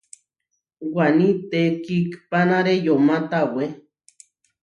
Waní tekihpánare yomá tawé.